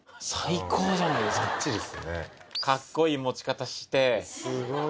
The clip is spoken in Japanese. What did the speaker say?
カッコいい持ち方して。